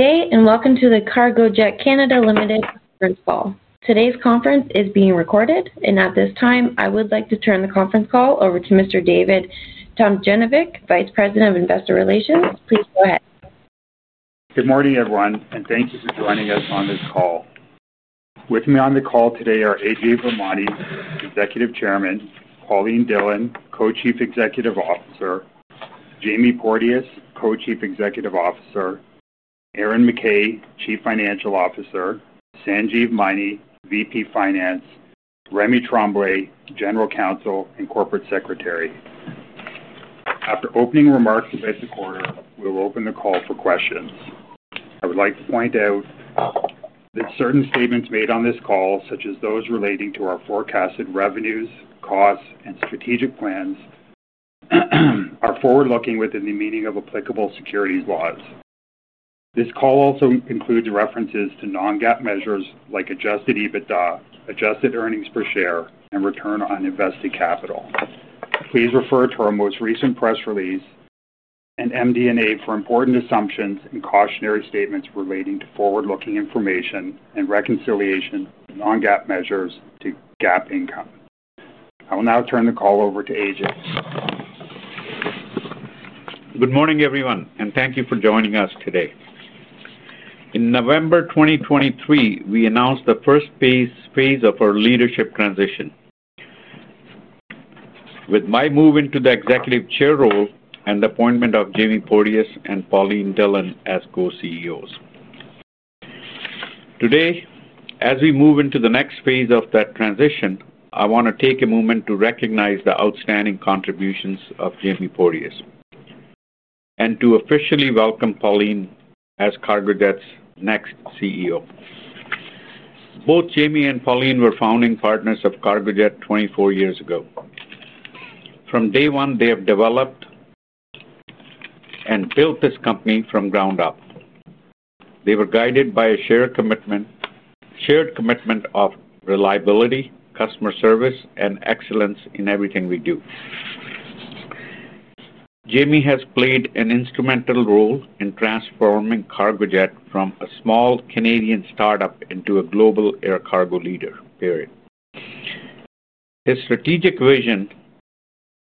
Good day and welcome to the Cargojet conference call. Today's conference is being recorded and at this time I would like to turn the conference call over to Mr. David Tomljenovic, Vice President of Investor Relations. Please go ahead. Good morning everyone and thank you for joining us on this call. With me on the call today are Ajay Virmani, Executive Chairman, Pauline Dhillon, Co-Chief Executive Officer, Jamie Porteous, Co-Chief Executive Officer, Aaron McKay, Chief Financial Officer, Sanjeev Maini, VP Finance, Rémi Tremblay, General Counsel and Corporate Secretary. After opening remarks about the quarter, we will open the call for questions. I would like to point out that certain statements made on this call, such as those relating to our forecasted revenues, costs and strategic plans, are forward-looking within the meaning of applicable securities laws. This call also includes references to non-GAAP measures like adjusted EBITDA, adjusted earnings per share and return on invested capital. Please refer to our most recent press release and MD&A for important assumptions and cautionary statements relating to forward-looking information and reconciliation of non-GAAP measures to GAAP income. I will now turn the call over to Ajay. Good morning everyone and thank you for joining us today. In November 2023 we announced the first phase of our leadership transition with my move into the Executive Chair role and the appointment of Jamie Porteous and Pauline Dillon as co-CEOs. Today, as we move into the next phase of that transition, I want to take a moment to recognize the outstanding contributions of Jamie Porteous and to officially welcome Pauline as Cargojet's next CEO. Both Jamie and Pauline were founding partners of Cargojet 24 years ago. From day one. They have developed and built this company from ground up. They were guided by a shared commitment of reliability, customer service and excellence in everything we do. Jamie has played an instrumental role in transforming Cargojet from a small Canadian startup into a global air cargo leader. His strategic vision,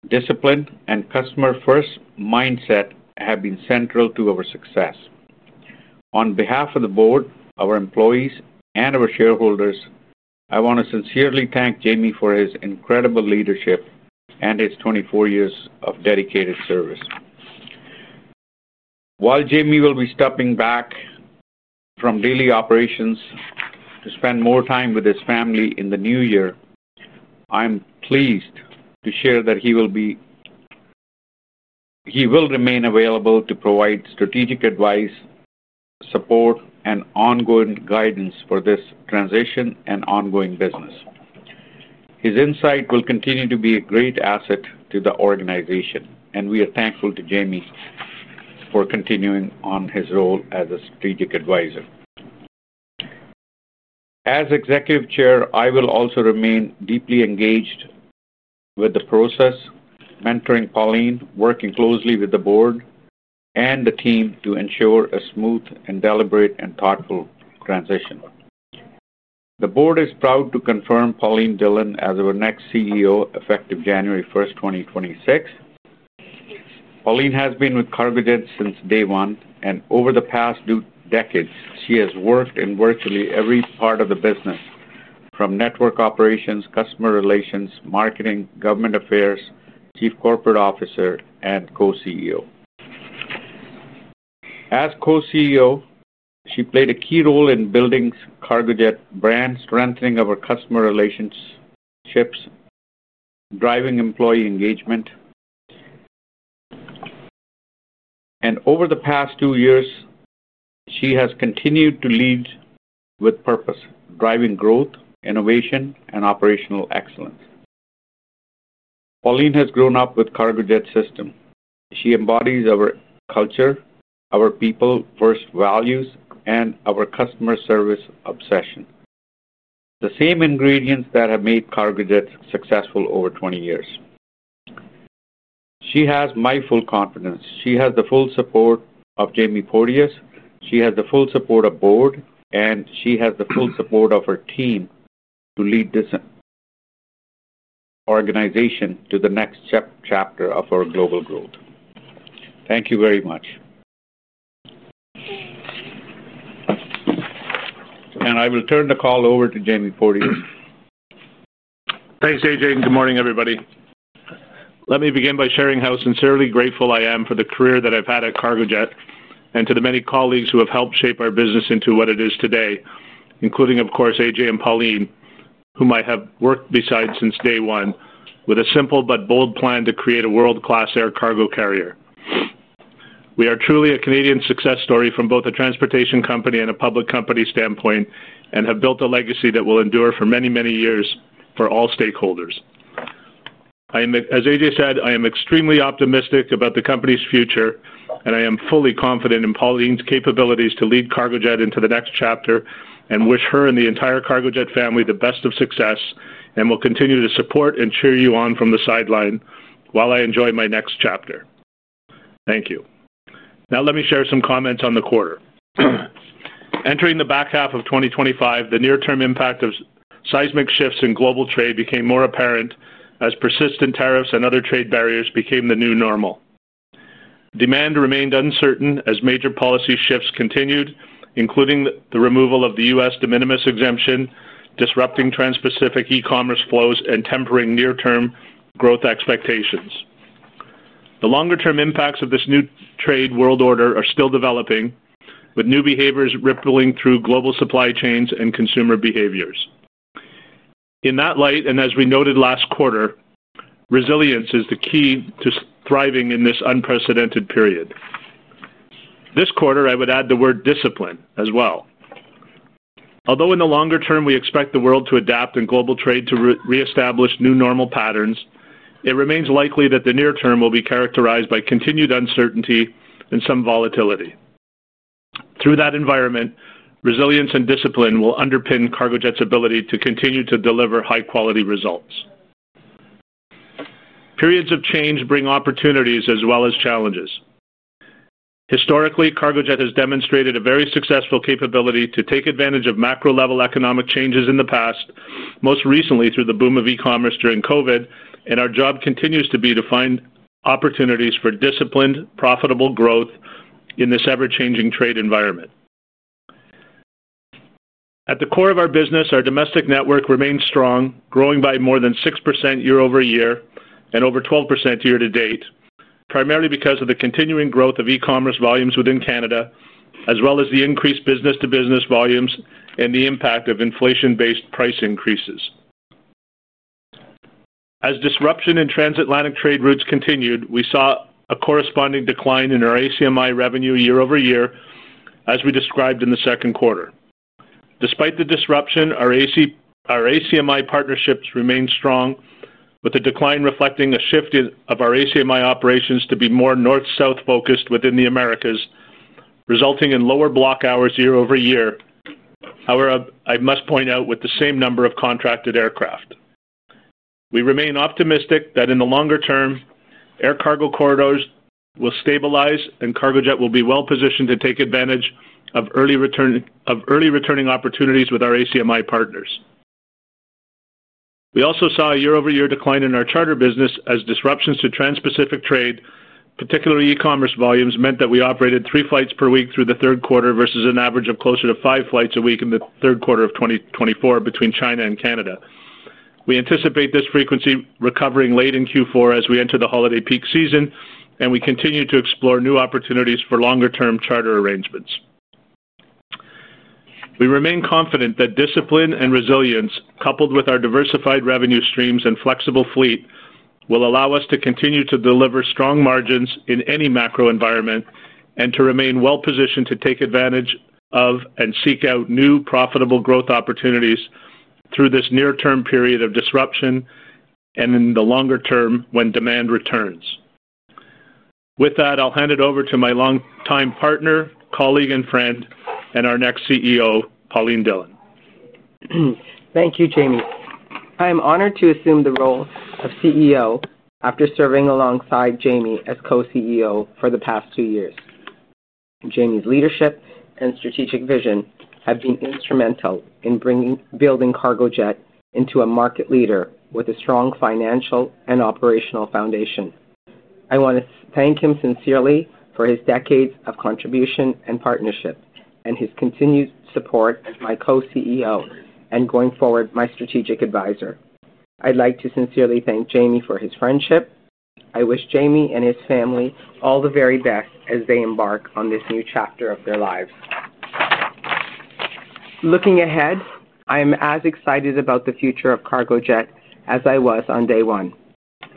discipline and customer first mindset have been central to our success. On behalf of the Board, our employees and our shareholders, I want to sincerely thank Jamie for his incredible leadership and his 24 years of dedicated service. While Jamie will be stepping back from daily operations to spend more time with his family in the new year, I am pleased to share that he will remain available to provide strategic advice, support and ongoing guidance for this transition and ongoing business. His insight will continue to be a great asset to the organization and we are thankful to Jamie for continuing on his role as a strategic advisor. As Executive Chair, I will also remain deeply engaged with the process, mentoring Pauline, working closely with the Board and the team to ensure a smooth and deliberate and thoughtful transition. The Board is proud to confirm Pauline Dhillon as our next CEO effective January 1st, 2026. Pauline has been with us since day one and over the past two decades she has worked in virtually every part of the business from network operations, customer relations, marketing, government affairs, Chief Corporate Officer and co-CEO. As co-CEO she played a key role in building Cargojet brands, strengthening our customer relationships, driving employee engagement and over the past two years she has continued to lead with purpose driving growth, innovation and operational excellence. Pauline has grown up with the Cargojet system. She embodies our culture, our people first values and our customer service obsession. The same ingredients that have made Cargojet successful over 20 years. She has my full confidence, she has the full support of Jamie Porteous, she has the full support of Board and she has the full support of her team to lead this organization to the next chapter of our global growth. Thank you very much and I will turn the call over to Jamie Porteous. Thanks Ajay and good morning everybody. Let me begin by sharing how sincerely grateful I am for the career that I've had at Cargojet and to the many colleagues who have helped shape our business into what it is today. Including of course Ajay and Pauline whom I have worked beside since day one with a simple but bold plan to create a world class air cargo carrier. We are truly a Canadian success story from both a transportation company and a public company standpoint and have built a legacy that will endure for many, many years for all stakeholders. As Ajay said, I am extremely optimistic about the company's future and I am fully confident in Pauline's capabilities to lead Cargojet into the next chapter and wish her and the entire Cargojet family the best of success and will continue to support and cheer you on from the sideline while I enjoy my next chapter. Thank you. Now let me share some comments on the quarter. Entering the back half of 2025, the near term impact of seismic shifts in global trade became more apparent as persistent tariffs and other trade barriers became the new normal. Demand remained uncertain as major policy shifts continued including the removal of the U.S. De minimis exemption, disrupting Trans-Pacific e-commerce flows and tempering near term growth expectations. The longer term impacts of this new trade world order are still developing, but new behaviors rippling through global supply chains and consumer behaviors. In that light, and as we noted last quarter, resilience is the key to thriving in this unprecedented period this quarter. I would add the word discipline as well, although in the longer term we expect the world to adapt in global trade to reestablish new normal patterns, it remains likely that the near term will be characterized by continued uncertainty. Some volatility through that environment, resilience and discipline will underpin Cargojet's ability to continue to deliver high quality results. Periods of change bring opportunities as well as challenges. Historically, Cargojet has demonstrated a very successful capability to take advantage of macro level economic changes in the past, most recently through the boom of e-commerce during COVID and our job continues to be to find opportunities for disciplined profitable growth in this ever changing trade environment. At the core of our business, our domestic network remains strong, growing by more than 6% year over year and over 12% year to date, primarily because of the continuing growth of e-commerce volumes within Canada as well as the increased business-to-business volumes and the impact of inflation-based price increases. As disruption in transatlantic trade routes continued, we saw a corresponding decline in our ACMI revenue year over year as we described in the second quarter. Despite the disruption, our ACMI partnerships remained strong with the decline reflecting a shift of our ACMI operations to be more north-south focused within the Americas resulting in lower block hours year over year. However, I must point out, with the same number of contracted aircraft, we remain optimistic that in the longer term air cargo corridors will stabilize and Cargojet will be well positioned to take advantage of early returning opportunities with our ACMI partners. We also saw a year over year decline in our charter business as disruptions to Trans-Pacific trade, particularly e-commerce volumes, meant that we operated three flights per week through the third quarter versus an average of closer to five flights a week in the third quarter of 2024 between China and Canada. We anticipate this frequency recovering late in Q4 as we enter the holiday peak season and we continue to explore new opportunities for longer term charter arrangements. We remain confident that discipline and resilience, coupled with our diversified revenue streams and flexible fleet, will allow us to continue to deliver strong margins in any macro environment and to remain well positioned to take advantage of and seek out new profitable growth opportunities through this near term period of disruption and in the longer term when demand returns. With that, I'll hand it over to my longtime partner, colleague and friend and our next CEO, Pauline Dhillon. Thank you, Jamie. I am honored to assume the role of CEO after serving alongside Jamie as Co-CEO for the past two years. Jamie's leadership and strategic vision have been instrumental in building Cargojet into a market leader with a strong financial and operational foundation. I want to thank him sincerely for his decades of contribution and partnership and his continued support as my Co-CEO and, going forward, my Strategic Advisor. I'd like to sincerely thank Jamie for his friendship. I wish Jamie and his family all the very best as they embark on this new chapter of their lives. Looking ahead, I am as excited about the future of Cargojet as I was on day one.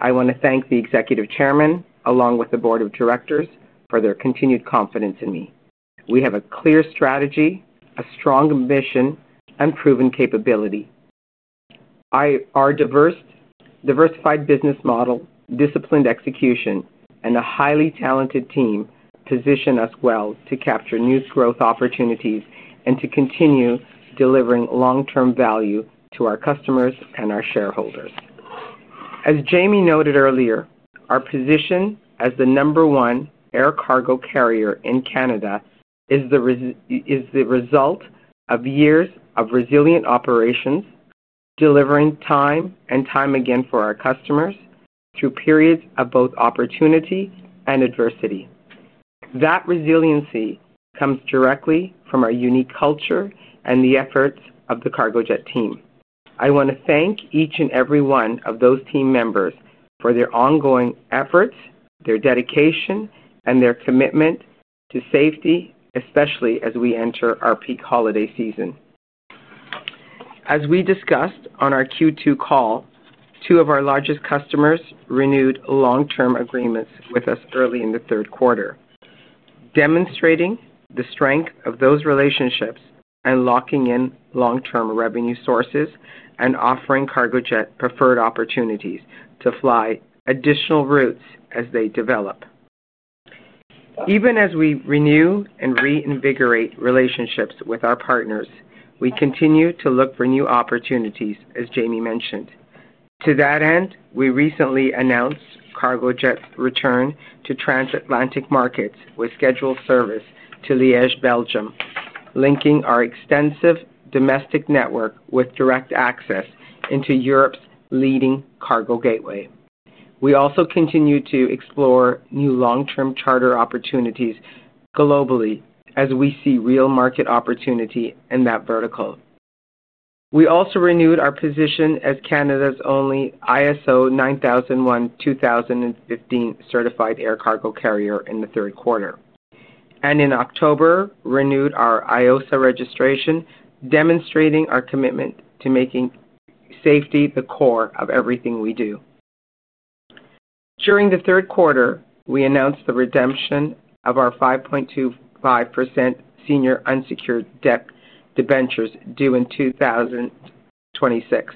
I want to thank the Executive Chairman along with the Board of Directors for their continued confidence in me. We have a clear strategy, a strong ambition, and proven capability. Our diversified business model, disciplined execution and a highly talented team position us well to capture new growth opportunities and to continue delivering long term value to our customers and our shareholders. As Jamie noted earlier, our position as the number one air cargo carrier in Canada is the result of years of resilient operations, delivering time and time again for our customers through periods of both opportunity and adversity. That resiliency comes directly from our unique culture and the efforts of the Cargojet team. I want to thank each and every one of those team members for their ongoing efforts, their dedication and their commitment to safety, especially as we enter our peak holiday season. As we discussed on our Q2 call, two of our largest customers renewed long term agreements with us early in the third quarter, demonstrating the strength of those relationships and locking in long term revenue sources and offering Cargojet preferred opportunities to fly additional routes as they develop. Even as we renew and reinvigorate relationships with our partners, we continue to look for new opportunities. As Jamie mentioned. To that end, we recently announced Cargojet's return to transatlantic markets with scheduled service to Liège, Belgium, linking our extensive domestic network with direct access into Europe's leading cargo gateway. We also continue to explore new long term charter opportunities globally as we see real market opportunity in that vertical. We also renewed our position as Canada's only ISO 9001:2015 Certified Air Cargo Carrier in the third quarter and in October renewed our IOSA registration, demonstrating our commitment to making safety the core of everything we do. During the third quarter we announced the redemption of our 5.25% senior unsecured debt debentures due in 2026,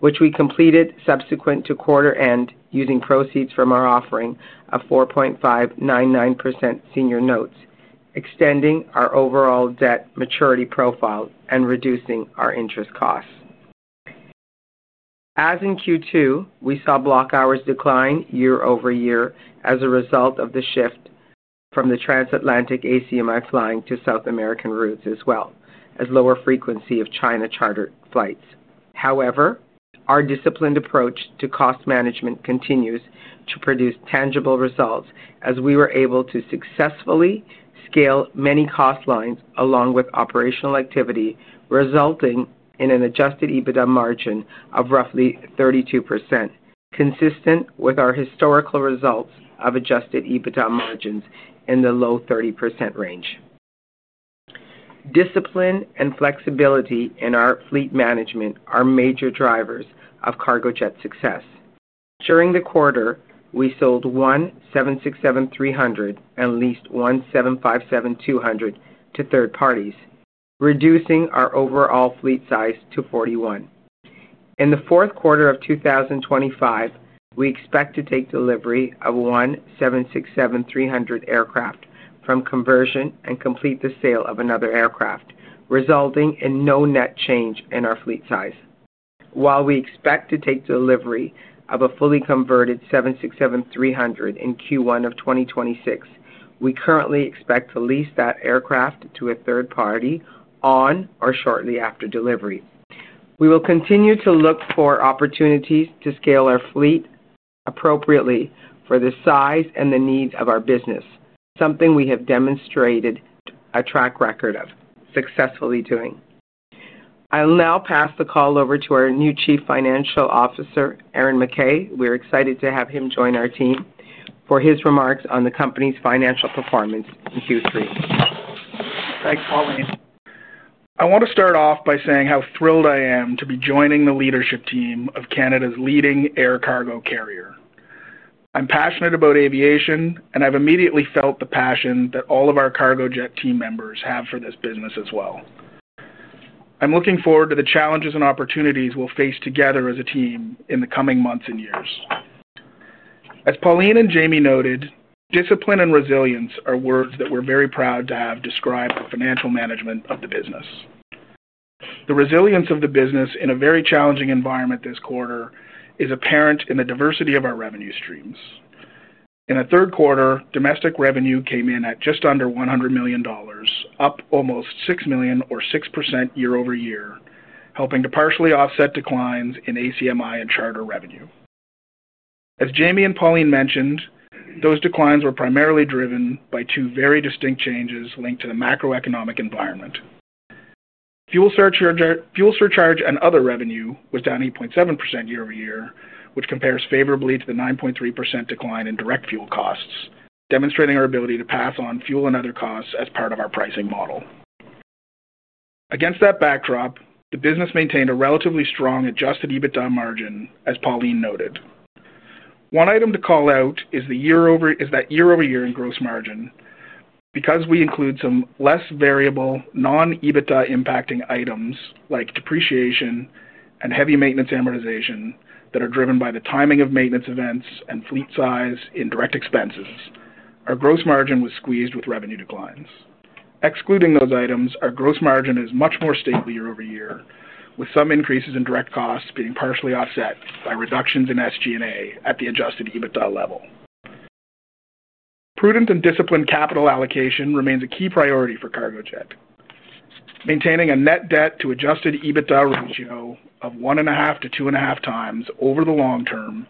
which we completed subsequent to quarter end using proceeds from our offering of 4.599% senior notes, extending our overall debt maturity profile and reducing our interest costs. As in Q2, we saw block hours decline year over year as a result of the shift from the transatlantic ACMI flying to South American routes as well as lower frequency of China chartered flights. However, our disciplined approach to cost management continues to produce tangible results as we were able to successfully scale many cost lines along with operational activity, resulting in an adjusted EBITDA margin of roughly 32%, consistent with our historical results of adjusted EBITDA margins in the low 30% range. Discipline and flexibility in our fleet management are major drivers of Cargojet success. During the quarter, we sold one 767-300 and leased one 757-200 to third parties, reducing our overall fleet size to 41. In the fourth quarter of 2025, we expect to take delivery of one 767-300 aircraft from conversion and complete the sale of another aircraft, resulting in no net change in our fleet size. While we expect to take delivery of a fully converted 767-300 in Q1 of 2026, we currently expect to lease that aircraft to a third party on or shortly after delivery. We will continue to look for opportunities to scale our fleet appropriately for the size and the needs of our business, something we have demonstrated a track record of successfully doing. I'll now pass the call over to our new Chief Financial Officer, Aaron McKay. We're excited to have him join our team for his remarks on the company's financial performance in Q3. Thanks, Pauline. I want to start off by saying how thrilled I am to be joining the leadership team of Canada's leading air cargo carrier. I'm passionate about aviation and I've immediately felt the passion that all of our Cargojet team members have for this business as well. I'm looking forward to the challenges and opportunities we'll face together as a team in the coming months and years. As Pauline and Jamie noted, discipline and resilience are words that we're very proud to have described the financial management of the business. The resilience of the business in a very challenging environment this quarter is apparent in the diversity of our revenue streams. In the third quarter, domestic revenue came in at just under 100 million dollars, up almost 6 million or 6% year over year, helping to partially offset declines in ACMI and charter revenue. As Jamie and Pauline mentioned, those declines were primarily driven by two very distinct changes linked to the macroeconomic environment. Fuel surcharge and other revenue was down 8.7% year over year, which compares favorably to the 9.3% decline in direct fuel costs, demonstrating our ability to pass on fuel and other costs as part of our pricing model. Against that backdrop, the business maintained a relatively strong adjusted EBITDA margin. As Pauline noted, one item to call out is that year over year in gross margin because we include some less variable non EBITDA impacting items like depreciation and heavy maintenance, amortization that are driven by the timing of maintenance events and fleet size in direct expenses. Our gross margin was squeezed with revenue declines excluding those items. Our gross margin is much more stable year over year with some increases in direct costs being partially offset by reductions in SGA at the adjusted EBITDA level. Prudent and disciplined capital allocation remains a key priority for Cargojet. Maintaining a net debt to adjusted EBITDA ratio of 1.5-2.5 times over the long term.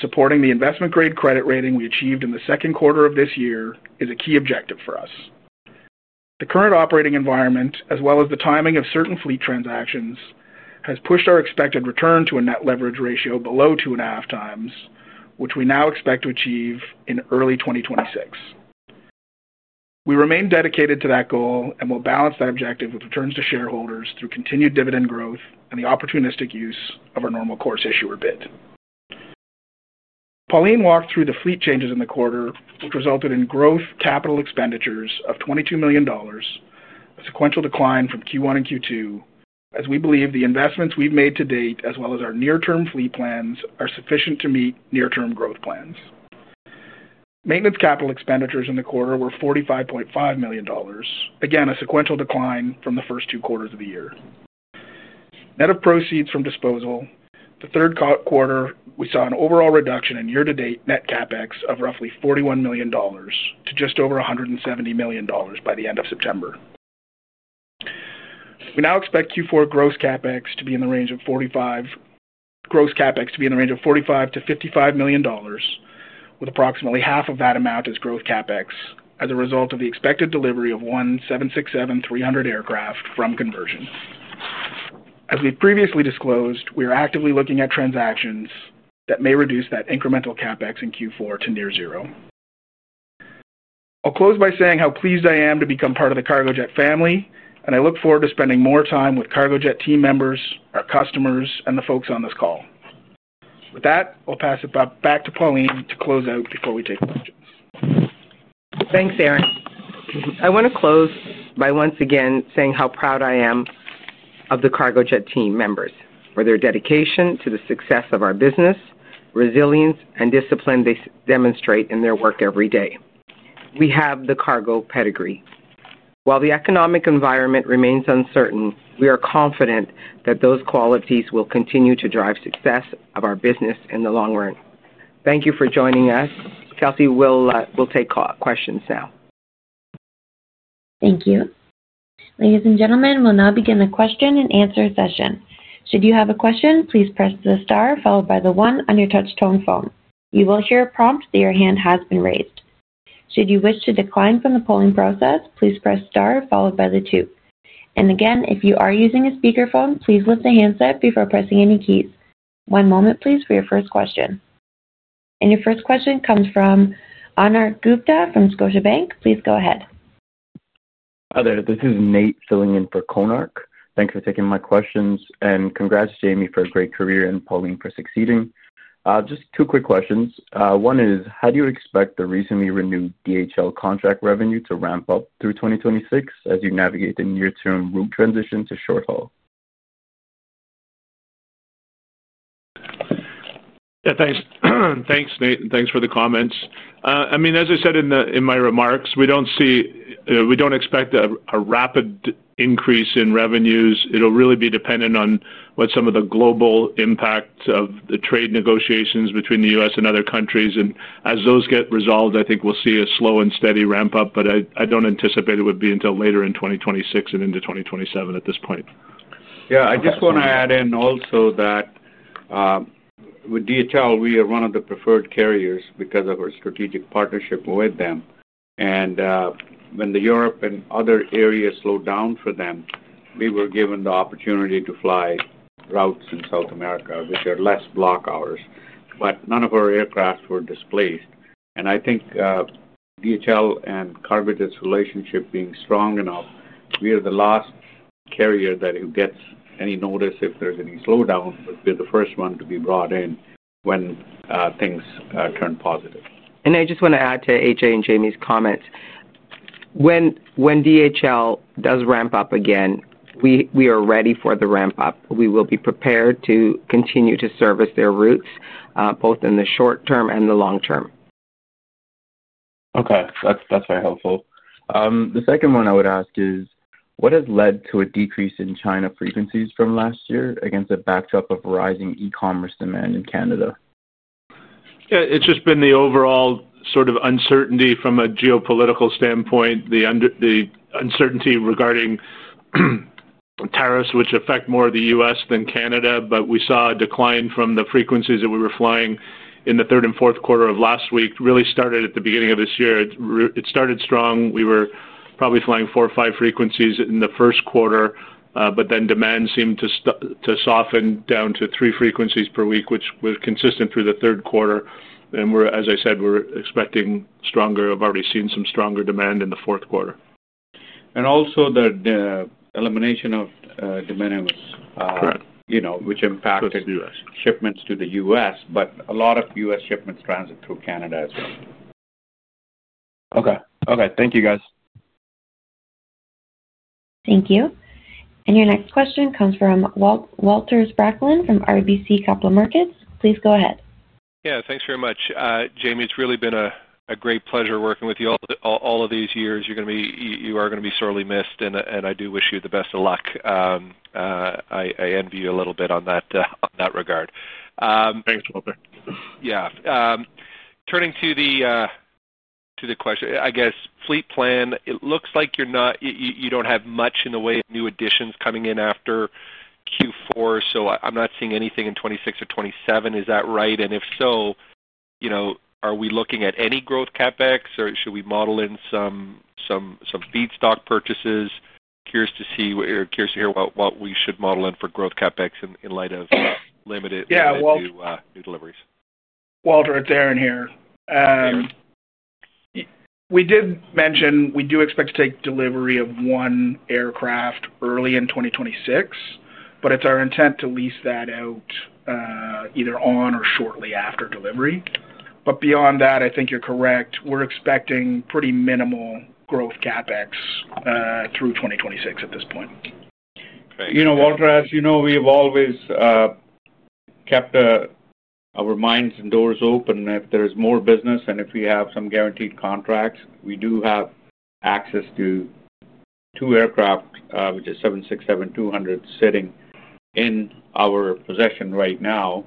Supporting the investment grade credit rating we achieved in the second quarter of this year is a key objective for us. The current operating environment as well as the timing of certain fleet transactions has pushed our expected return to a net leverage ratio below 2.5x, which we now expect to achieve in early 2026. We remain dedicated to that goal and will balance that objective with returns to shareholders through continued dividend growth and the opportunistic use of our normal course issuer bid. Pauline walked through the fleet changes in the quarter which resulted in growth capital expenditures of 22 million dollars, a sequential decline from Q1 and Q2 as we believe the investments we have made to date as well as our near term fleet plans are sufficient to meet near term growth plans. Maintenance capital expenditures in the quarter were 45.5 million dollars, again a sequential decline from the first two quarters of the year net of proceeds from disposal. The third quarter we saw an overall reduction in year to date net CapEx of roughly 41 million dollars to just over 170 million dollars by the end of September. We now expect Q4 gross CapEx to be in the range of 45 million-55 million dollars, with approximately half of that amount as growth CapEx as a result of the expected delivery of one 767-300 aircraft from conversion. As we previously disclosed, we are actively looking at transactions that may reduce that incremental CapEx in Q4 to near zero. I'll close by saying how pleased I am to become part of the Cargojet family and I look forward to spending more time with Cargojet team members, our customers, and the folks on this call. With that, I'll pass it back to Pauline to close out before we take questions. Thanks Erin. I want to close by once again saying how proud I am of the Cargojet team members for their dedication to the success of our business, resilience, and discipline they demonstrate in their work. Every day we have the cargo pedigree. While the economic environment remains uncertain, we are confident that those qualities will continue to drive success of our business in the long run. Thank you for joining us. Kelsey will take questions now. Thank you, ladies and gentlemen. We'll now begin the question and answer session. Should you have a question, please press the star followed by the one on your touchtone phone. You will hear a prompt that your hand has been raised. Should you wish to decline from the polling process, please press star followed by the two. If you are using a speakerphone, please lift the handset before pressing any keys. One moment please for your first question. Your first question comes from Konark Gupta from Scotiabank. Please go ahead. Hi there. This is Nate filling in for Konark. Thanks for taking my questions and congrats Jamie for a great career and Pauline for succeeding. Just two quick questions. One is how do you expect the recently renewed DHL contract revenue to ramp up through 2026 as you navigate the near term room transition to short haul? Thanks. Thanks, Nate. And thanks for the comments. I mean, as I said in my remarks, we do not see, we do not expect a rapid increase in revenues. It will really be dependent on what some of the global impact of the trade negotiations between the U.S. and other countries. As those get resolved, I think we will see a slow and steady ramp up. I do not anticipate it would be until later in 2026 and into 2027 at this point. Yeah, I just want to add in also that with DHL we are one of the preferred carriers because of our strategic partnership with them. When the Europe and other areas slow down for them, we were given the opportunity to fly routes in South America which are less block hours. None of our aircraft were displaced. I think DHL and Cargojet's relationship being strong enough, we are the last carrier that gets any notice if there's any slowdown. We're the first one to be brought in when things turn positive. I just want to add to Ajay and Jamie's comments. When DHL does ramp up again, we are ready for the ramp up. We will be prepared to continue to service their routes both in the short term and the long term. Okay, that's very helpful. The second one I would ask is what has led to a decrease in China frequencies from last year against a backdrop of rising e-commerce demand in Canada. It's just been the overall sort of uncertainty from a geopolitical standpoint, the uncertainty regarding tariffs which affect more the U.S. than Canada. We saw a decline from the frequencies that we were flying in the third and fourth quarter of last year really started at the beginning of this year. It started strong. We were probably flying four or five frequencies in the first quarter. Then demand seemed to soften down to three frequencies per week, which was consistent through the third quarter. We're, as I said, expecting stronger, have already seen some stronger demand in. The fourth quarter and also the elimination of de minimis, you know, which impacted shipments to the U.S. A lot of U.S. shipments transit through Canada as well. Okay. Okay, thank you guys. Thank you. Your next question comes from Walter Spracklin from RBC Capital Markets. Please go ahead. Yeah, thanks very much, Jamie. It's really been a great pleasure working with you all of these years. You are going to be sorely missed and I do wish you the best of luck. I envy you a little bit on that regard. Thanks, Walter. Yeah. Turning to the question, I guess fleet plan, it looks like you do not have much in the way of new additions coming in after Q4, so I am not seeing anything in 2026 or 2027, is that right? If so, are we looking at any growth CapEx or should we model in some feedstock purchases? Curious to hear what we should model in for growth CapEx in light of limited new deliveries. Walter, it's Aaron here. We did mention we do expect to take delivery of one aircraft early in 2026, but it's our intent to lease that either on or shortly after delivery. Beyond that, I think you're correct. We're expecting pretty minimal growth CapEx through 2026 at this point. You know, Walter, as you know, we have always kept our minds and doors open. If there's more business and if we have some guaranteed contracts. We do have access to two aircraft, which is 767-200 sitting in our possession right now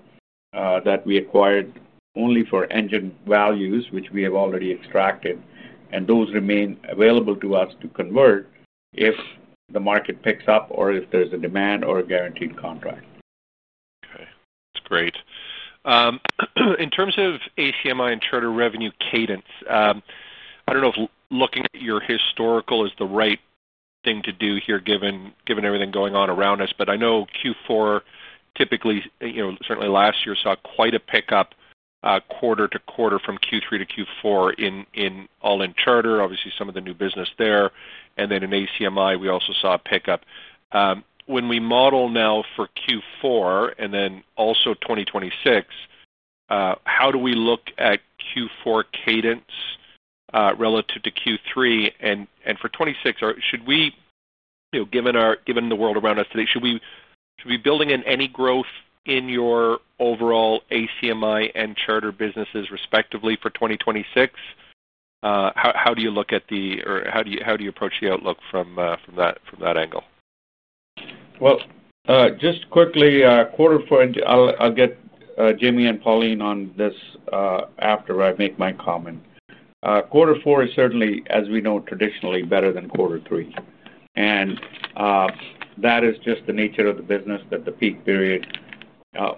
that we acquired only for engine values, which we have already extracted, and those remain available to us to convert if the market picks up or if there's a demand or a guaranteed contract. That's great. In terms of ACMI and charter revenue cadence, I don't know if looking at your historical is the right thing to do here given everything going on around us. I know Q4 typically, certainly last year saw quite a pickup quarter to quarter from Q3 to Q4 in all in charter, obviously some of the new business there. In ACMI we also saw a pickup. When we model now for Q4 and then also 2026, how do we look at Q4 cadence relative to Q3 and for 2026, should we, given the world around us today, should we be building in any growth in your overall ACMI and charter businesses respectively for 2026? How do you look at the, or how do you approach the outlook from that angle? Quarter four. I'll get Jimmy and Pauline on this after I make my comment. Quarter four is certainly, as we know, traditionally better than quarter three, and that is just the nature of the business that the peak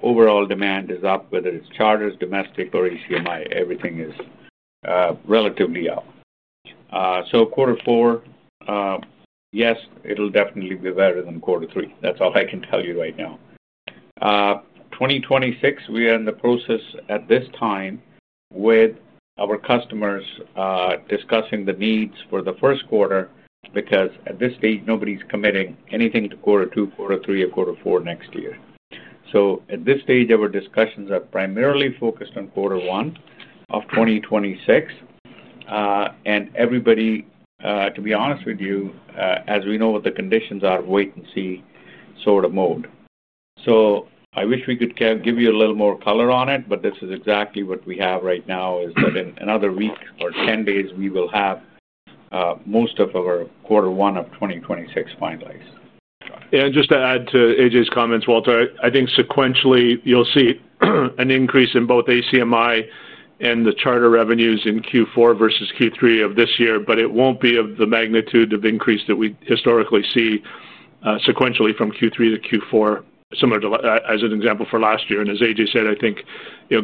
overall demand is up. Whether it's charters, domestic or ACMI, everything is relatively up. So quarter four, yes, it'll definitely be better than quarter three. That's all I can tell you right now. 2026, we are in the process at this time with our customers discussing the needs for the first quarter because at this stage nobody's committing anything to quarter two, quarter three, or quarter four next year. At this stage our discussions are primarily focused on quarter one of 2026. Everybody, to be honest with you, as we know what the conditions are, wait and see sort of mode. I wish we could give you a little more color on it, but this is exactly what we have right now is that in another week or 10 days we will have most of our quarter one of 2026 finalized. Just to add to Ajay's comments, Walter, I think sequentially you'll see an increase in both ACMI and the charter revenues in Q4 versus Q3 of this year, but it won't be of the magnitude of increase that we historically see sequentially from Q3 to Q4, similar to as an example for last year and as Ajay said, I think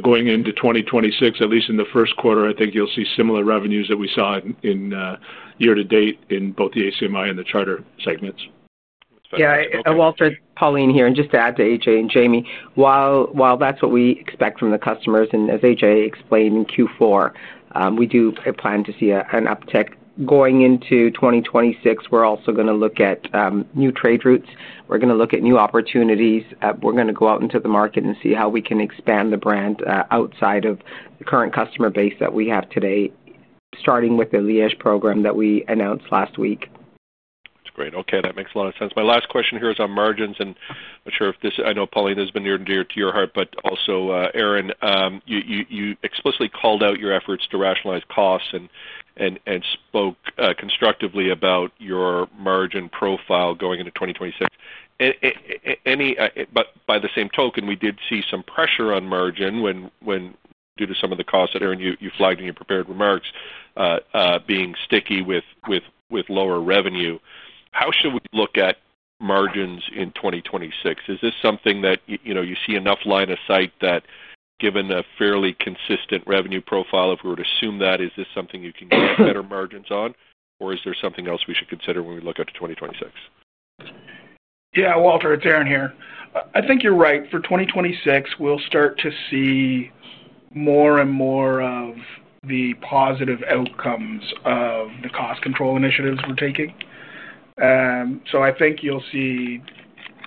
going into 2026, at least in the first quarter, I think you'll see similar revenues that we saw in year to date in both the ACMI and the charter segments. Yeah, Walter, Pauline here. Just to add to Ajay and Jamie, while that's what we expect from the customers, and as Ajay explained in Q4, we do plan to see an uptick going into 2026. We're also going to look at new trade routes, we're going to look at new opportunities. We're going to go out into the market and see how we can expand the brand outside of the current customer base that we have today, starting with the Liège program that we announced last week. That's great. Okay, that makes a lot of sense. My last question here is on margins, and I'm sure if this I know Pauline, has been near and dear to your heart, but also Aaron, you explicitly called out your efforts to rationalize costs and spoke constructively about your margin profile going into 2026. By the same token, we did see some pressure on margin due to some of the costs that Aaron, you flagged in your prepared remarks. Being sticky with lower revenue, how should we look at margins in 2026? Is this something that you see enough line of sight that given a fairly consistent revenue profile, if we were to assume that is this something you can get better margins on or is there something else we should consider when we look at 2026? Yeah, Walter, it's Aaron here. I think you're right. For 2026, we'll start to see more and more of the positive outcomes of the cost control initiatives we're taking. I think you'll see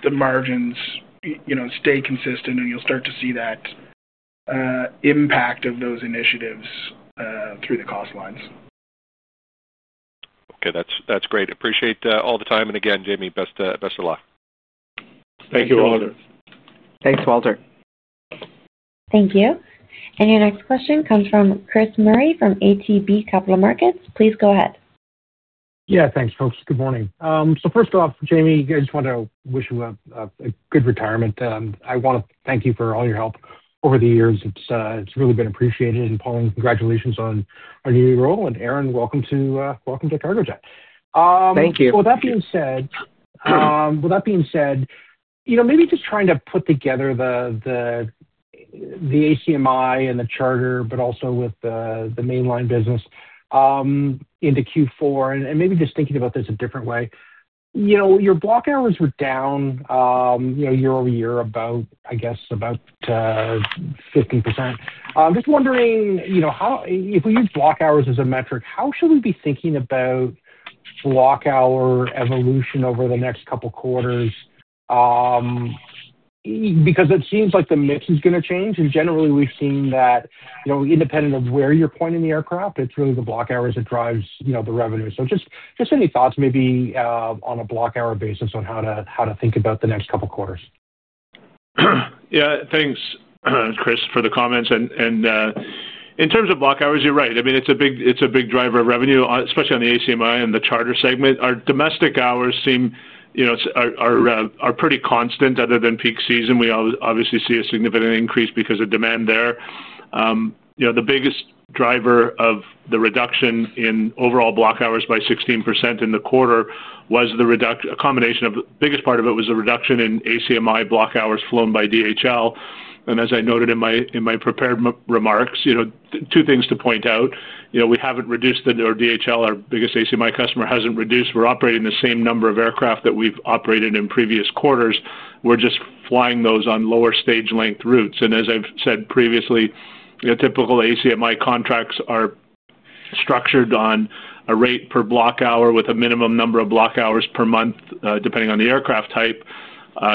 the margins, you know, stay consistent and you'll start to see that impact of those initiatives through the cost lines. Okay, that's great. Appreciate all the time. Again, Jamie, best of luck. Thank you, Walter. Thanks, Walter. Thank you. Your next question comes from Chris Murray from ATB Capital Markets. Please go ahead. Yeah, thanks folks. Good morning. First off, Jamie, I just want to wish you a good retirement. I want to thank you for all your help over the years. It has really been appreciated. Paul, congratulations on a new role. Aaron, welcome to Cargojet. Thank you. With that being said, maybe just trying to put together the ACMI and the charter, but also with the mainline business into Q4 and maybe just thinking about this a different way, your block hours were down year over year about, I guess about 50%. I'm just wondering, if we use block hours as a metric, how should we be thinking, thinking about block hour evolution over the next couple quarters? Because it seems like the mix is going to change. Generally we've seen that independent of where you're pointing the aircraft, it's really the block hours that drives the revenue. Just any thoughts maybe on a block hour basis on how to think about the next couple quarters? Yeah, thanks, Chris, for the comments. In terms of block hours, you're right. I mean, it's a big driver of revenue, especially on the ACMI and the charter segment. Our domestic hours seem, you know, are pretty constant other than peak season. We obviously see a significant increase because of demand there. You know, the biggest driver of the reduction in overall block hours by 16% in the quarter was the reduction. A combination of. Biggest part of it was a reduction in ACMI block hours flown by DHL. As I noted in my prepared remarks, you know, two things to point out. You know, we haven't reduced. The DHL, our biggest ACMI customer, hasn't reduced. We're operating the same number of aircraft that we've operated in previous quarters. We're just flying those on lower stage length routes. As I have said previously, typical ACMI contracts are structured on a rate per block hour with a minimum number of block hours per month depending on the aircraft type.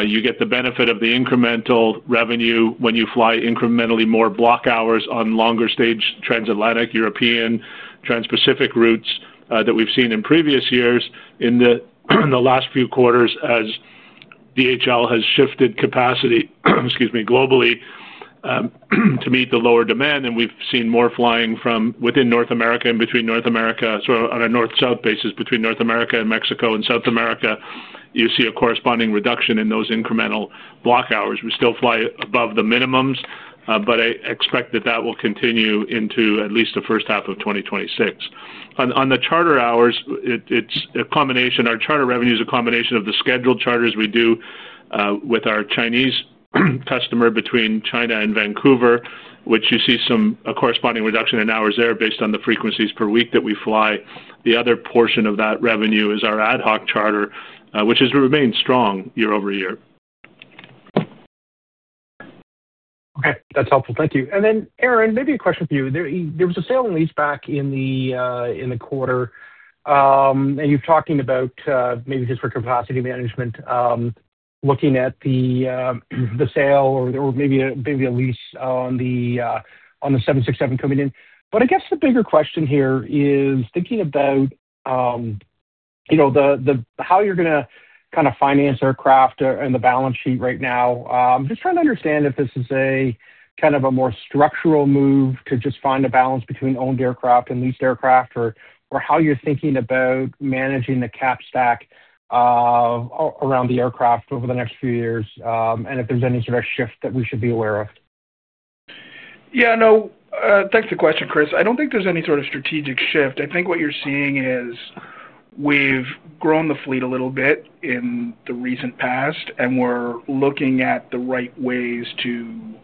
You get the benefit of the incremental revenue when you fly incrementally. More block hours on longer stage transit line Atlantic, European, Trans Pacific routes that we have seen in previous years in the last few quarters as DHL has shifted capacity, excuse me, globally, to meet the lower demand and we have seen more flying from within North America and between North America. On a north south basis between North America and Mexico and South America, you see a corresponding reduction in those incremental block hours. We still fly above the minimums, but I expect that will continue into at least the first half of 2026. On the charter hours, it is a combination. Our charter revenue is a combination of the scheduled charters we do with our Chinese customer between China and Vancouver, which you see some corresponding reduction in hours there based on the frequencies per week that we fly. The other portion of that revenue is our ad hoc charter which has remained strong year over year. Okay, that's helpful, thank you. Aaron, maybe a question for you. There was a sale and leaseback in the quarter and you're talking about maybe just for capacity management looking at the sale or maybe a lease on the 767 coming in. I guess the bigger question here. Is thinking about, you know, how you're going to kind of finance aircraft and the balance sheet right now. I'm just trying to understand if this is a kind of a more structural move to just find a balance between owned aircraft and leased aircraft or how you're thinking about managing the cap stack around the aircraft over the next few years and if there's any sort of shift that we should be aware of. Yeah, no, thanks for the question, Chris. I do not think there is any sort of strategic shift. I think what you are seeing is we have grown the fleet a little bit in the recent past and we are looking at the right ways to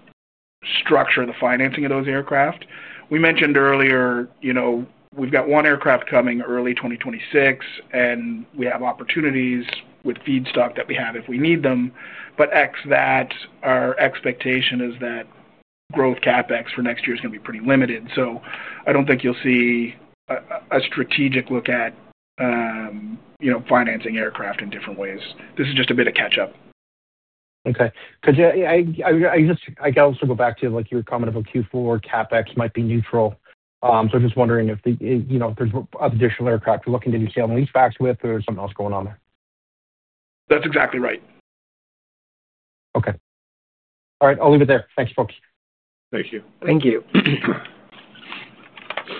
structure the financing of those aircraft we mentioned earlier. You know, we have got one aircraft coming early 2026 and we have opportunities with feedstock that we have if we need them. But except that, our expectation is that growth CapEx for next year is going to be pretty limited. I do not think you will see a strategic look at, you know, financing aircraft in different ways. This is just a bit of catch up. Okay. Because I just, I can also go back to like your comment about Q4. CapEx might be neutral. Just wondering if the, you know, there's additional aircraft you're looking to do sale leasebacks with or something else going on there. That's exactly right. Okay. All right, I'll leave it there. Thanks, folks. Thank you. Thank you.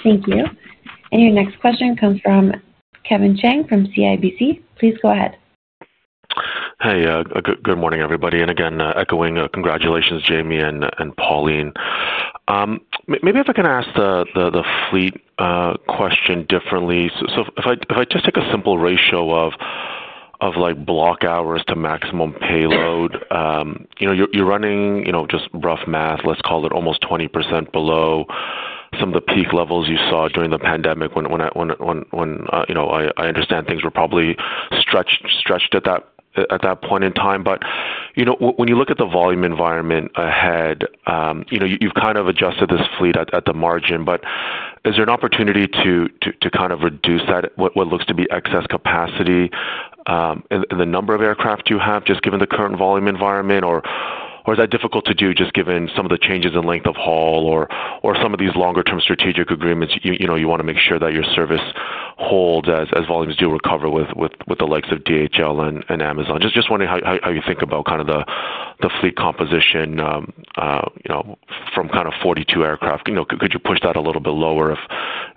Thank you. Your next question comes from Kevin Chiang from CIBC. Please go ahead. Hey, good morning, everybody. Again, echoing congratulations, Jamie and Pauline. Maybe if I can ask the fleet question differently. If I just take a simple ratio of block hours to maximum payload, you're running just rough math, let's call it almost 20% below some of the peak levels you saw during the pandemic. I understand things were probably stretched at that point in time. When you look at the volume environment ahead, you've kind of adjusted this fleet at the margin. Is there an opportunity to reduce what looks to be excess capacity in the number of aircraft you have, just given the current volume environment, or is that difficult to do? Just given some of the changes in length of haul or some of these longer term strategic agreements, you want to make sure that your service holds as volumes do recover with the likes of DHL and Amazon. Just wondering how you think about the fleet composition from kind of 42 aircraft. Could you push that a little bit lower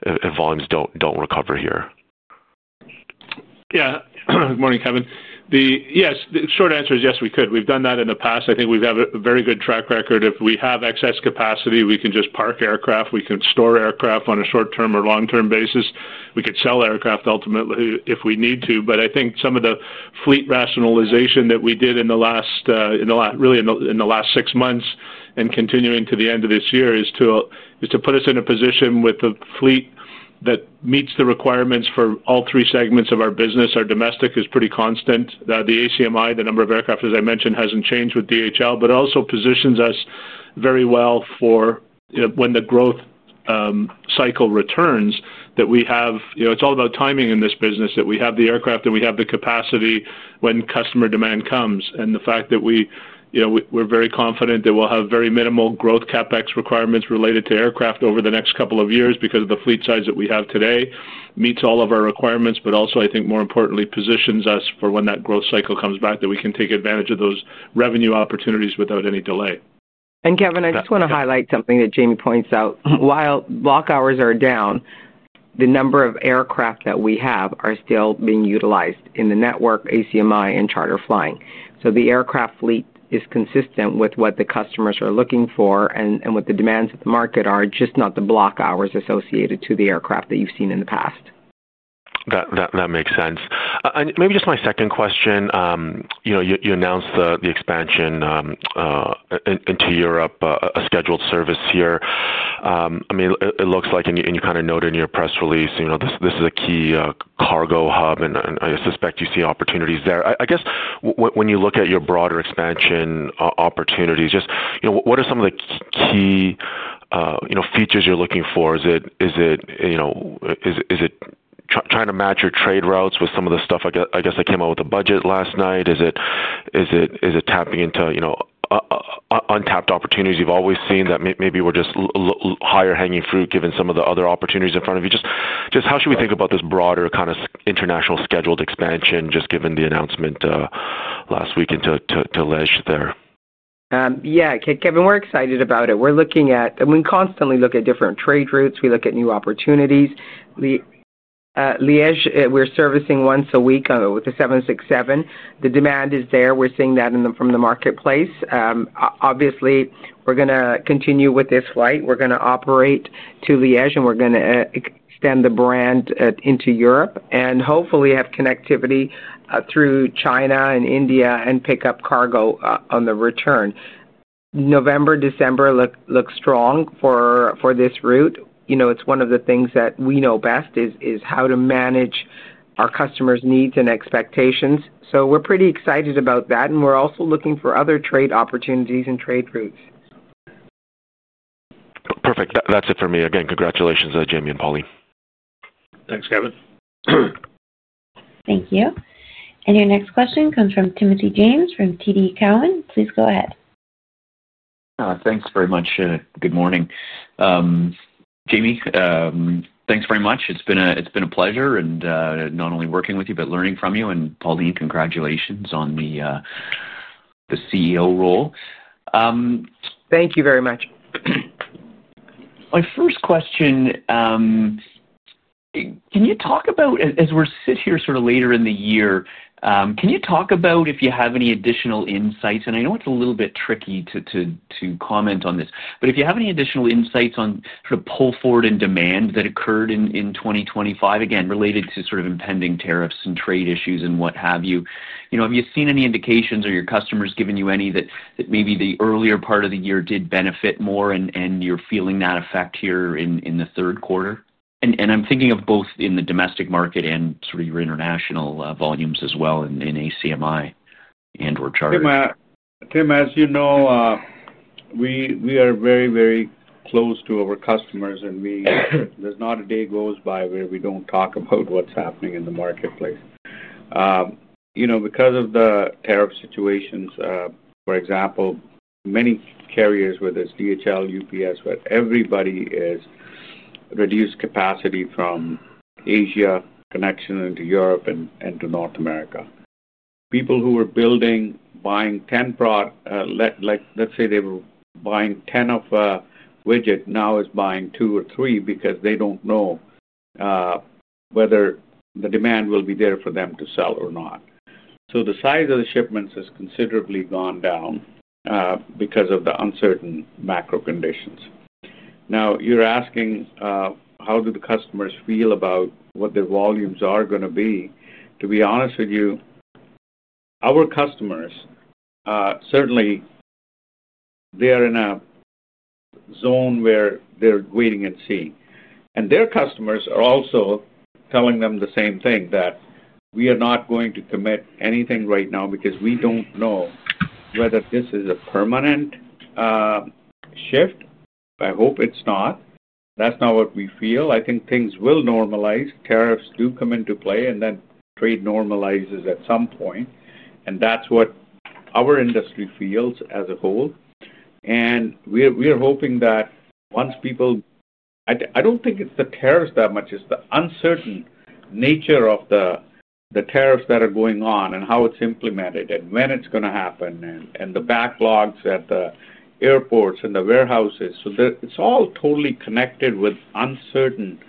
if volumes do not recover here? Yeah. Good morning, Kevin. Yes, the short answer is yes, we could. We've done that in the past. I think we have a very good track record. If we have excess capacity, we can just park aircraft. We can store aircraft on a short term or long term basis. We could sell aircraft ultimately if we need to. I think some of the fleet rationalization that we did in the last, really in the last six months and continuing to the end of this year is to put us in a position with the fleet that meets the requirements for all three segments of our business. Our domestic is pretty constant. The ACMI, the number of aircraft, as I mentioned, hasn't changed with DHL, but also positions us very well for when the growth cycle returns that we have. You know, it's all about timing in this business that we have the aircraft and we have the capacity when customer demand comes. The fact that we, you know, we're very confident that we'll have very minimal growth CapEx requirements related to aircraft over the next couple of years because the fleet size that we have today meets all of our requirements. I think more importantly it positions us for when that growth cycle comes back that we can take advantage of those revenue opportunities without any delay. Kevin, I just want to highlight something that Jamie points out. While block hours are down, the number of aircraft that we have are still being utilized in the network, ACMI and charter flying. The aircraft fleet is consistent with what the customers are looking for and what the demands of the market are, just not the block hours associated to the aircraft that you've seen in the past. That makes sense. Maybe just my second question. You announced the expansion into Europe, a scheduled service here, I mean it looks like, and you kind of noted in your press release this is a key cargo hub and I suspect you see opportunities there. I guess when you look at your broader expansion opportunities, just what are some of the key features you're looking for? Is it trying to match your trade routes with some of the stuff I guess that came out with the budget last night? Is it tapping into untapped opportunities you've always seen that maybe were just higher hanging fruit given some of the other opportunities in front of you, just how should we think about this broader kind of international scheduled expansion just given the announcement last week into Liège there? Yeah, Kevin, we're excited about it. We're looking at, we constantly look at different trade routes. We look at new opportunities. Liège, we're servicing once a week with the 767. The demand is there. We're seeing that from the marketplace. Obviously we're going to continue with this flight. We're going to operate to Liège and we're going to extend the brand into Europe and hopefully have connectivity through China and India and pick up cargo on the return. November, December looks strong for this route. You know, it's one of the things that we know best is how to manage our customers' needs and expectations. We're pretty excited about that. We're also looking for other trade opportunities in trade routes. Perfect. That's it for me. Again, congratulations Jamie and Pauline. Thanks Kevin. Thank you. Your next question comes from Timothy James from TD Cowen. Please go ahead. Thanks very much. Good morning Jamie, thanks very much. It's been a pleasure not only working with you, but learning from you. And Pauline, congratulations on the, the CEO role. Thank you very much. My first question. Can you talk about? As we sit here sort of later in the year, can you talk about if you have any additional insights, and I know it's a little bit tricky to comment on this, but if you have any additional insights on sort of pull forward and demand that occurred in 2025 again related to sort of impending tariffs and trade issues and what have you, have you seen any indications or your customers giving you any that maybe the earlier part of the year did benefit more and you're feeling that effect here in the third quarter. I'm thinking of both in the domestic market and your international volumes as well in ACMI and or charters. Tim, as you know, we are very, very close to our customers and there's not a day goes by where we do not talk about what's happening in the marketplace. You know, because of the tariff situations. For example, many carriers, whether it's DHL, UPS, where everybody has reduced capacity from Asia connection into Europe and to North America, people who were building, buying 10 product, like let's say they were buying 10 of widget, now is buying two or three because they do not know whether the demand will be there for them to sell or not. So the size of the shipments has considerably gone down because of the uncertain macro conditions. Now you are asking how do the customers feel about what their volumes are going to be. To be honest with you, our customers certainly they are in a zone where they're waiting and seeing and their customers are also telling them the same thing, that we are not going to commit anything right now because we don't know whether this is a permanent shift. I hope it's not. That's not what we feel. I think things will normalize. Tariffs do come into play and then trade normalizes at some point and that's what our industry feels as a whole. We are hoping that once people, I don't think it's the tariffs that much. It's the uncertain nature of the tariffs that are going on and how it's implemented and when it's going to happen and the backlogs at the airports and the warehouses. It's all totally connected with uncertain.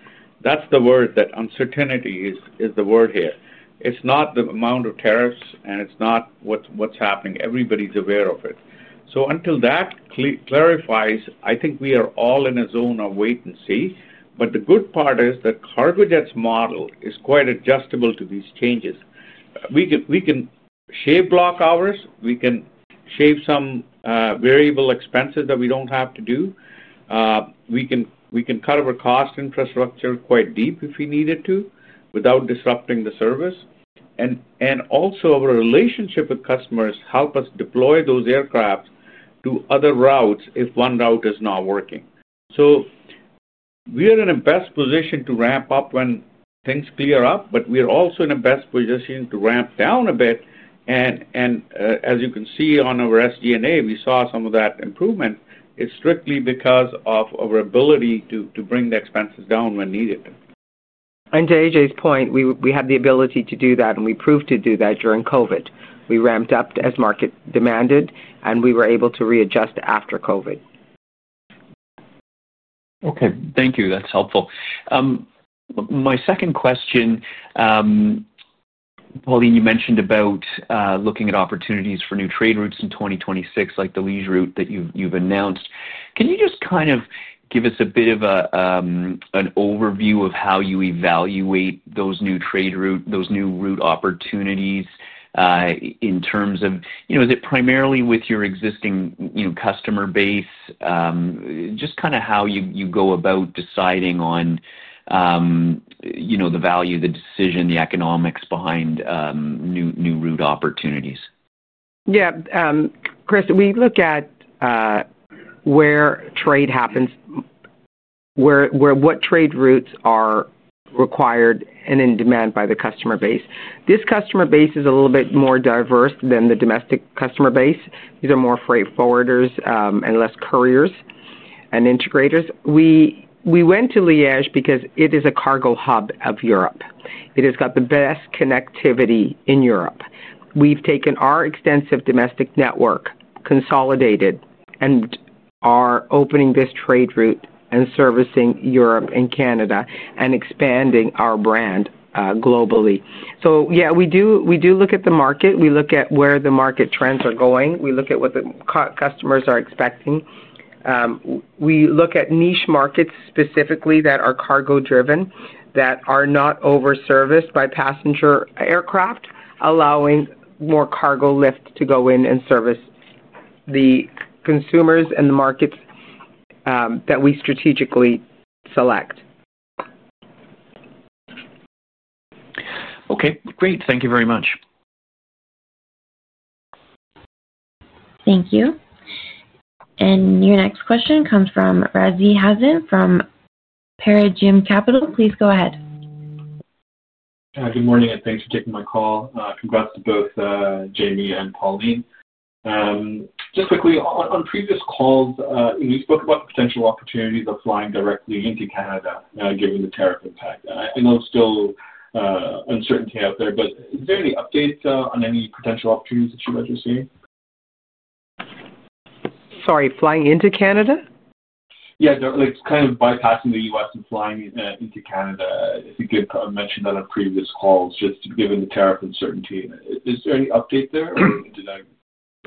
That's the word that uncertainty is, is the word here. It's not the amount of tariffs and it's not what's happening. Everybody's aware of it. Until that clarifies, I think we are all in a zone of wait and see. The good part is that Cargojet's model is quite adjustable to these changes. We can shave block hours, we can shave some variable expenses that we don't have to do. We can cut our cost infrastructure quite deep if we needed to, without disrupting the service. Also, our relationship with customers helps us deploy those aircraft to other routes if one route is not working. We are in a best position to ramp up when things clear up, but we are also in a best position to ramp down a bit. As you can see on our SDNA, we saw some of that improvement is strictly because of our ability to bring the expenses down when needed. To AJ's point, we have the ability to do that. We proved to do that during COVID. We ramped up as market demanded and we were able to readjust after COVID. Okay, thank you, that's helpful. My second question, Pauline, you mentioned about looking at opportunities for new trade routes in 2026, like the Liège route that you've. Can you just kind of give us a bit of an overview of how you evaluate those new trade route, those new route opportunities in terms of, you know, is it primarily with your existing customer base, just kind of how you go about deciding on, you know, the value, the decision, the economics behind new route opportunities? Yeah, Chris, we look at where trade happens, what trade routes are required and in demand by the customer base. This customer base is a little bit more diverse than the domestic customer base. These are more freight forwarders and less couriers and integrators. We went to Liège because it is a cargo hub of Europe. It has got the best connectivity in Europe. We've taken our extensive domestic network consolidated and are opening this trade route and servicing Europe and Canada and expanding our brand globally. Yeah, we do look at the market. We look at where the market trends are going. We look at what the customers are expecting. We look at niche markets specifically that are cargo driven, that are not over serviced by passenger aircraft, allowing more cargo lift to go in and service the consumers and the markets that we strategically select. Okay, great. Thank you very much. Thank you. Your next question comes from Razi Hasan from Paradigm Capital. Please go ahead. Good morning and thanks for taking my call. Congrats to both Jamie and Pauline. Just quickly, on previous calls, we spoke about the potential opportunities of flying directly into Canada given the tariff impact. I know there's still uncertainty out there, but is there any updates on any potential opportunities that you guys are seeing? Sorry, flying into Canada? Yeah, it's kind of bypassing the U.S. and flying into Canada. I think you mentioned that on previous calls, just given the tariff uncertainty. Is there any update there?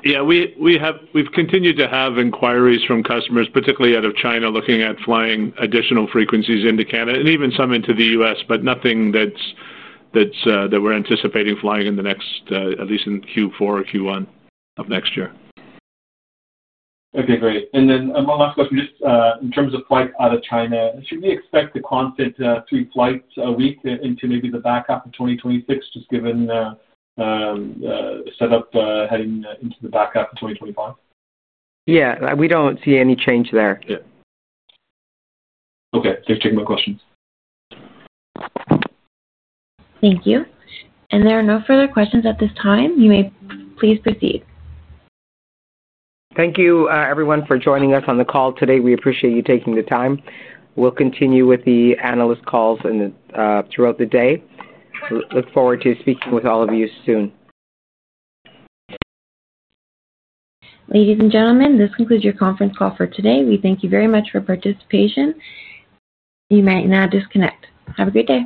Yeah, we've continued to have inquiries from customers, particularly out of China, looking at flying additional frequencies into Canada and even some into the U.S., but nothing that we're anticipating flying in the next at least in Q4 or Q1 of next year. Okay, great. One last question. Just in terms of flights out of China, should we expect the constant three flights a week into maybe the back half of 2026, just given setup heading into the back half of 2025? Yeah. We don't see any change there. Okay. Please take my questions. Thank you. There are no further questions at this time. You may please proceed. Thank you, everyone, for joining us on the call today. We appreciate you taking the time. We'll continue with the analyst calls throughout the day. Look forward to speaking with all of you soon. Ladies and gentlemen, this concludes your conference call for today. We thank you very much for your participation. You may now disconnect. Have a good day.